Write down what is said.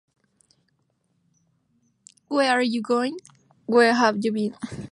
Where Are You Going, Where Have You Been?